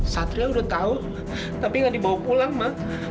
satria udah tahu tapi nggak dibawa pulang ma